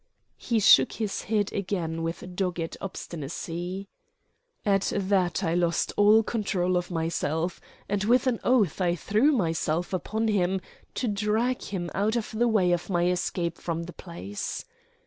He shook his head again with dogged obstinacy. At that I lost all control of myself, and with an oath I threw myself upon him to drag him out of the way of my escape from the place.